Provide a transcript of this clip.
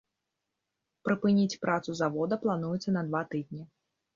Прыпыніць працу завода плануецца на два тыдні.